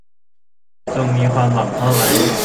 จงมีความหวังเข้าไว้